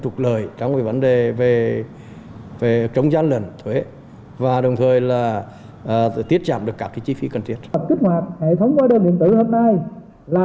hóa đơn điện tử hôm nay là